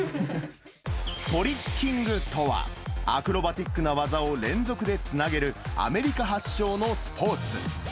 トリッキングとは、アクロバティックな技を連続でつなげる、アメリカ発祥のスポーツ。